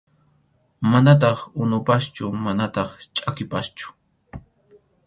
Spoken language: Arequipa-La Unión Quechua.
Manataq unupaschu manataq chʼakipaschu.